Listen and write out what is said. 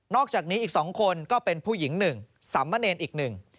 นอกจากนี้อีก๒คนก็เป็นผู้หญิง๑สัมมะเนรนอีก๑